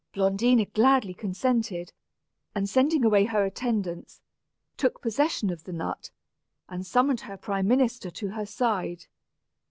Blondina gladly consented, and sending away her attendants, took possession of the nut, and summoned her prime minister to her side.